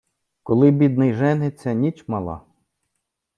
Коли бідний жениться, ніч мала.